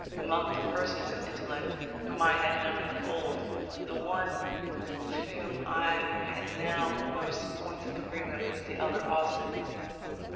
Among the persons of intellect whom I had known of old, the one with whom I had now most points of agreement was the elder Austin.